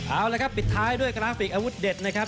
เอาละครับปิดท้ายด้วยกราฟิกอาวุธเด็ดนะครับ